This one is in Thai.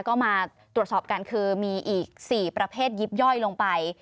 ก็มาตรวจสอบกันคือมีอีก๔ประเภทยิบย่อยลงไป